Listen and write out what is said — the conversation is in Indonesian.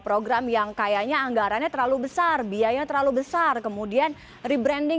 program yang kayaknya anggarannya terlalu besar biayanya terlalu besar kemudian rebranding